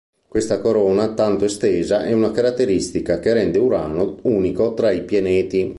Questa corona tanto estesa è una caratteristica che rende Urano unico tra i pianeti.